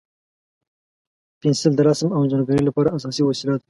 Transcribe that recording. پنسل د رسم او انځورګرۍ لپاره اساسي وسیله ده.